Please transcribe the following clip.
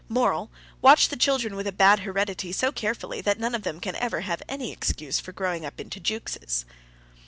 Moral: watch the children with a bad heredity so carefully that none of them can ever have any excuse for growing up into Jukeses.